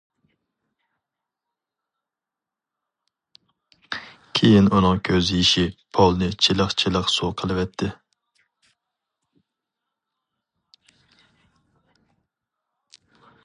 كېيىن ئۇنىڭ كۆز يېشى پولنى چىلىق-چىلىق سۇ قىلىۋەتتى.